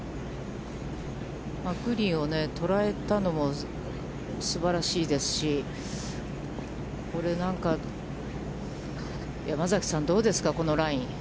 グリーンを捉えたのもすばらしいですし、これ、なんか、山崎さん、どうですか、このライン。